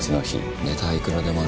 ネタはいくらでもある。